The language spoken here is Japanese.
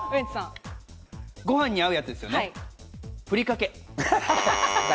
ご飯に合うやつですよね、ふりかけ。